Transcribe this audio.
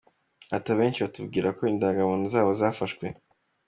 Ati “Abenshi batubwira ko indangamuntu zabo zafashwe.